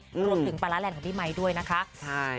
รวมไปถึงปลาร้าแลนดของพี่ไมค์ด้วยนะคะ